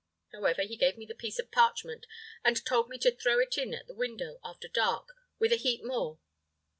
However, he gave me the piece of parchment, and told me to throw it in at the window after dark, with a heap more.